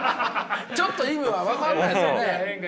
ちょっと意味は分かんないですよね。